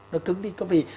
nó cứng đi có vì